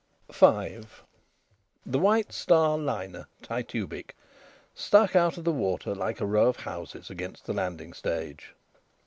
V The White Star liner, Titubic, stuck out of the water like a row of houses against the landing stage.